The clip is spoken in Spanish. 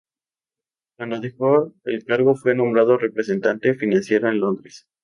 Cuando dejó el cargo fue nombrado representante financiero en Londres.